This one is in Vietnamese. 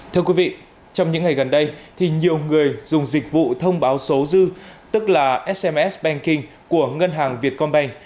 thưa quý vị trong những ngày gần đây nhiều người dùng dịch vụ thông báo số dư tức là sms banking của ngân hàng vietcombank